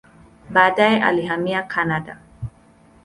Baadaye alihamia Kanada.